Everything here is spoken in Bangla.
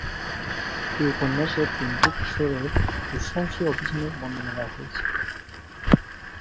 এই উপন্যাসে তিনটি কিশোরের দুঃসাহসী অভিযানের বর্ণনা দেওয়া হয়েছে।